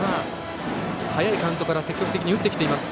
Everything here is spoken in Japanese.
早いカウントから積極的に打ってきています。